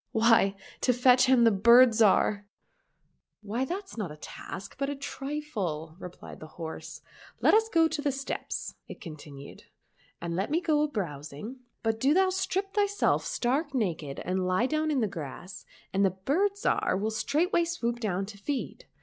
—" Why, to fetch him the Bird Zhar."— " Why that's not a task, but a trifle," replied the horse. " Let us go to the steppes," it continued, " and let me go a browsing ; but do thou strip thyself stark naked and lie down in the grass, and the Bird Zhar will straightway swoop down to feed.